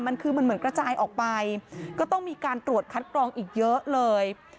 มันคือมันเหมือนกระจายออกไปก็ต้องมีการตรวจคัดกรองอีกเยอะเลย